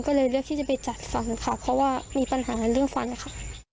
ก็เลยเลือกที่จะไปจัดฟันค่ะเพราะว่ามีปัญหาเรื่องฟันค่ะ